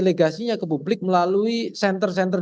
legasinya ke publik melalui center center